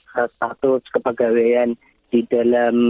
status kepagawaian di dalam